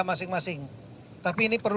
masing masing tapi ini perlu